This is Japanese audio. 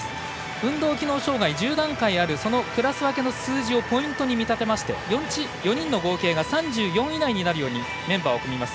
運動機能障がい１０段階あるクラス分けの数字をポイントに見立てまして４人の合計が３４以内になるようにメンバーを組みます。